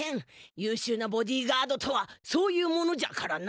ゆうしゅうなボディーガードとはそういうものじゃからな！